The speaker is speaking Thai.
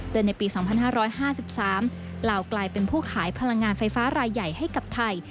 โดยในปี๒๕๕๓ลาวกลายเป็นผู้ขายพลังงานไฟฟ้ารายใหญ่ให้กับไทย